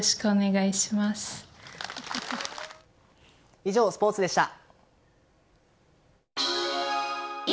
以上、スポーツでした。